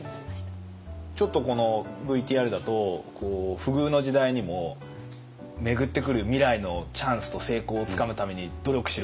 ちょっとこのＶＴＲだと「不遇の時代にも巡ってくる未来のチャンスと成功をつかむために努力しろ！」